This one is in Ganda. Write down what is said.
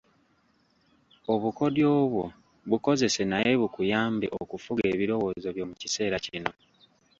Obukodyo obwo bukozese nate bukuyambe okufuga ebirowoozo byo mu kiseera kino.